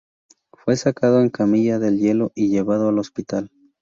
Fue sacado en camilla del hielo y llevado al hospital.